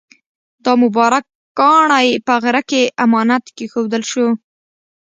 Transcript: دا مبارک کاڼی په غره کې امانت کېښودل شو.